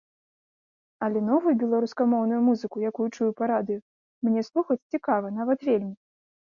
Але новую беларускамоўную музыку, якую чую па радыё, мне слухаць цікава, нават вельмі.